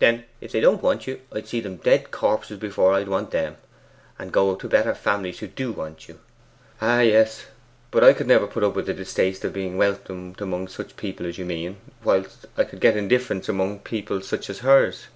'Then if they don't want you, I'd see them dead corpses before I'd want them, and go to better families who do want you.' 'Ah, yes; but I could never put up with the distaste of being welcomed among such people as you mean, whilst I could get indifference among such people as hers.